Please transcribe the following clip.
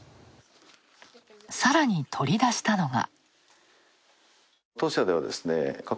さらに取り出したのが。